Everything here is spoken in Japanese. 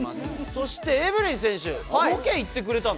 そしてエブリン選手、ロケ行ってくれたの？